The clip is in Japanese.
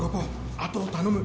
あとを頼む。